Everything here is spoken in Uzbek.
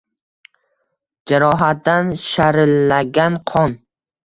Jarohatdan sharillagan qon